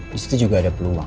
di situ juga ada peluang